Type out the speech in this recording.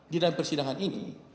di dalam persidangan ini